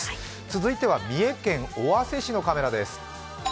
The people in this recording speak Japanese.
続いては三重県尾鷲市のカメラです。